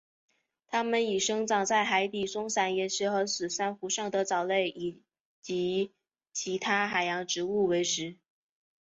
它们以生长在海底松散岩石和死珊瑚上的藻类及其他海洋植物为食。